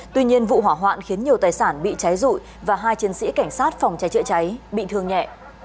tuy nhiên vụ hỏa hoạn khiến nhiều tài sản bị cháy rụi và hai chiến sĩ cảnh sát phòng cháy chữa cháy bị thương nhẹ